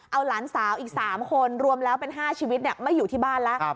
เอาหลานสาวอีก๓คนรวมแล้วเป็น๕ชีวิตไม่อยู่ที่บ้านแล้ว